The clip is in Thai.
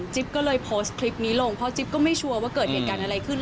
ก็เลยโพสต์คลิปนี้ลงเพราะจิ๊บก็ไม่ชัวร์ว่าเกิดเหตุการณ์อะไรขึ้น